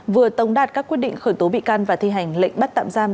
vừa tống đạt các quyết định khởi tố bị can và thi hành lệnh bắt tạm giam